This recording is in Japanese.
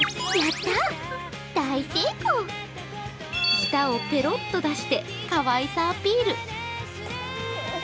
舌をペロッと出して、かわいさアピール。